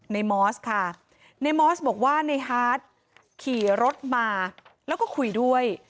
มอสค่ะในมอสบอกว่าในฮาร์ดขี่รถมาแล้วก็คุยด้วย